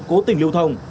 cố tình lưu thông